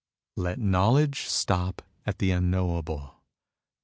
Let knowledge stop at the unknowable.